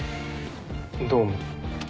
どうも。